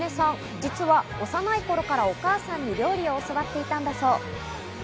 実は幼い頃からお母さんに料理を教わっていたんだそう。